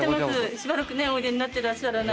「しばらくねおいでになってらっしゃらないんで」